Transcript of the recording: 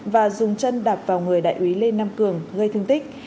và dùng chân đạp vào người đại úy lê nam cường gây thương tích